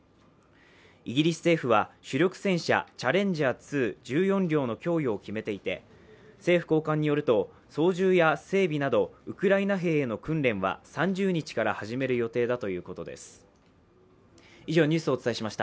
イギリス政府は、主力戦車・チャレンジャー２、１４両の供与を決めていて政府高官によると操縦や整備などウクライナ兵への訓練は３０日から始める予定だということです。